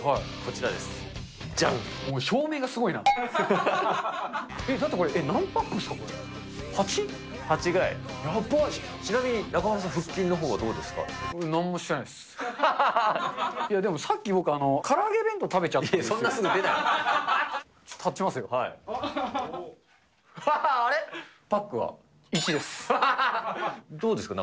ちなみに中丸さん、腹筋のほうはどうですか？